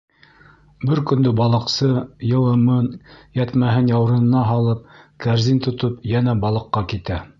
Бер көндө балыҡсы, йылымын, йәтмәһен яурынына һалып, кәрзин тотоп, йәнә балыҡҡа китә.